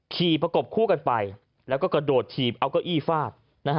ประกบคู่กันไปแล้วก็กระโดดถีบเอาเก้าอี้ฟาด